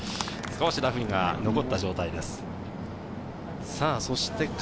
少しラフには残った状態です。